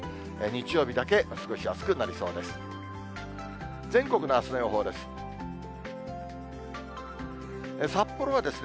日曜日だけ過ごしやすくなりそうです。